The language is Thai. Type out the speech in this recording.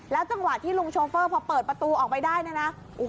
จังหวะที่ลุงโชเฟอร์พอเปิดประตูออกไปได้เนี่ยนะ